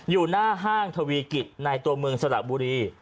อยู่หน้าห้างทวีกิจในตัวเมืองสระบุรี